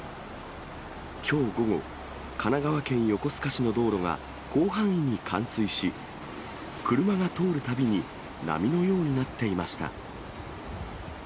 きょう午後、神奈川県横須賀市の道路が、広範囲に冠水し、車が通るたびに波のようになっていました。